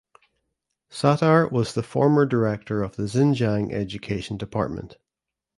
Sattar was the former director of the Xinjiang Education Department.